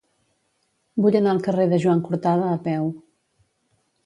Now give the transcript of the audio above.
Vull anar al carrer de Joan Cortada a peu.